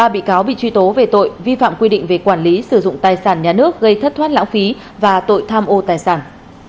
ba bị cáo bị truy tố về tội vi phạm quy định về quản lý sử dụng tài sản nhà nước gây thất thoát lãng phí và tội tham ô tài sản